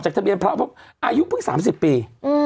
จากทะเบียนพระอาวุธอายุเพิ่ง๓๐ปี